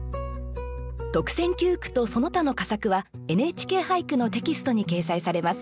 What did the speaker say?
特選九句とその他の佳作は「ＮＨＫ俳句」のテキストに掲載されます。